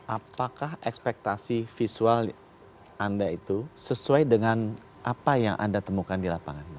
apakah ekspektasi visual anda itu sesuai dengan apa yang anda temukan di lapangan